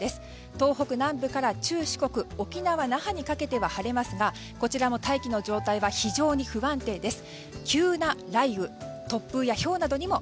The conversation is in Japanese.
東北南部から中四国沖縄・那覇にかけては晴れますが、こちらも大気の状態は非常に不安定です。